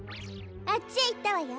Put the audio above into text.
あっちへいったわよ。